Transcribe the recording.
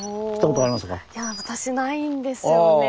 いやぁ私ないんですよね。